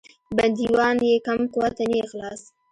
بندیوان یې کم قوته نه یې خلاص.